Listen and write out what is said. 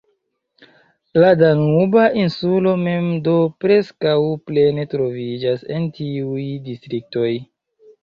La Danuba Insulo mem do preskaŭ plene troviĝas en tiuj distriktoj.